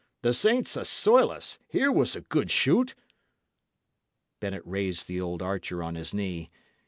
The saints assoil us! here was a good shoot!" Bennet raised the old archer on his knee.